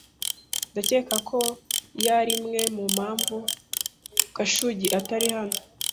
Ndakeka ko iyo ari imwe mu mpamvu Gashugi atari hano